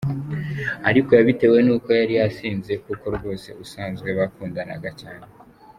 Ariko yabitewe n’uko yari yasinze kuko rwose ubusanzwe bakundanaga cyane.